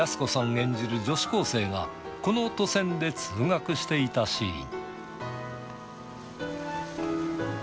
演じる女子高生がこの渡船で通学していたシーン。